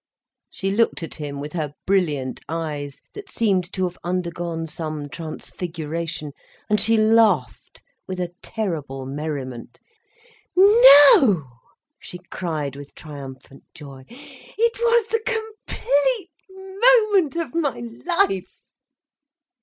She looked at him with her brilliant eyes that seemed to have undergone some transfiguration, and she laughed, with a terrible merriment. "No," she cried, with triumphant joy. "It was the complete moment of my life."